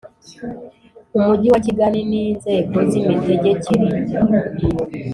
Umujyi wa Kigali ni inzego z imitegekere